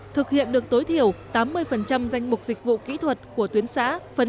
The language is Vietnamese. thực hiện được tối thiểu tám mươi danh mục dịch vụ kỹ thuật của tuyến xã